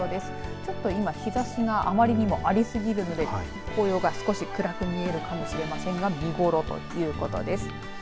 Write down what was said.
ちょっと今、日ざしがあまりにもありすぎるので紅葉が少し暗く見えるかもしれませんが見ごろということです。